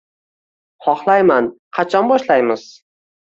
— Xohlayman. Qachon boshlaymiz?